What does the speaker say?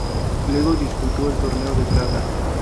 Luego disputó el Torneo de Praga.